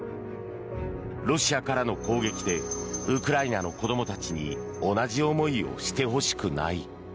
ロシアからの攻撃でウクライナの子どもたちに同じ思いをしてほしくない。